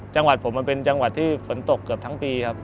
จังหวัดผมมันเป็นจังหวัดที่ฝนตกเกือบทั้งปีครับ